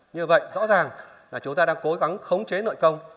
như vậy rõ ràng là chúng ta đang cố gắng khống chế nợ công